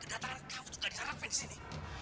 kedatangan kamu juga disarankan di sini